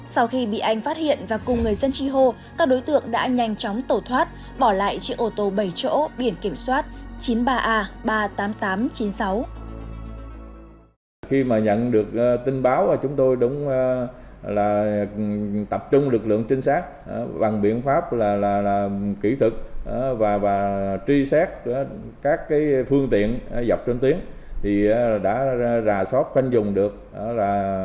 sau khi bị anh phát hiện và cùng người dân tri hô các đối tượng đã nhanh chóng tổ thoát bỏ lại chiếc ô tô bảy chỗ biển kiểm soát chín mươi ba a ba mươi tám nghìn tám trăm chín mươi sáu